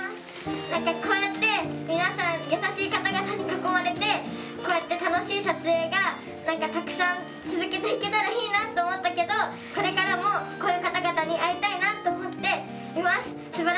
こうやって皆さん、優しい方々に囲まれて、こうやって楽しい撮影がたくさん続けていけたらいいなと思ったけど、これからもこういう方々に会いたいなと思っています。